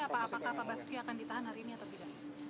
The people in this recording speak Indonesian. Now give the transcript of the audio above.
pak ada informasi apa pak basuki akan ditahan hari ini atau tidak